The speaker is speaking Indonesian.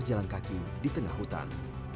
jadi kartu kartu rutin